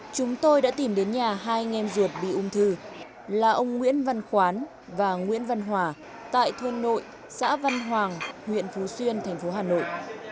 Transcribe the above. chúng tôi đã tìm đến nhà hai anh em ruột bị ung thư là ông nguyễn văn khoán và nguyễn văn hòa tại thôn nội xã văn hoàng huyện phú xuyên thành phố hà nội